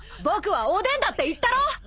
僕はおでんだって言ったろ？